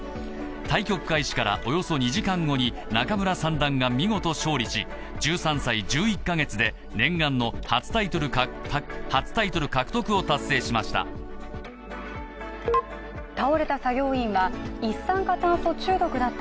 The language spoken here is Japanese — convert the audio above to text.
対局開始からおよそ２時間後に仲邑三段が見事勝利し１３歳１１か月で念願の初タイトル獲得を達成しました。